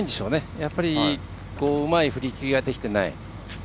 やっぱり、うまい振り切りができていない。